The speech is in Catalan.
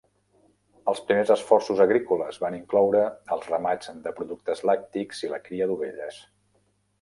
Els primers esforços agrícoles van incloure els ramats de productes lactis i la cria d'ovelles.